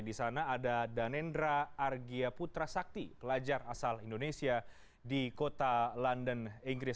di sana ada danendra argia putra sakti pelajar asal indonesia di kota london inggris